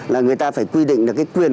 là người ta phải quy định được cái quyền